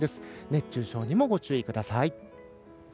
熱中症にもご注意ください。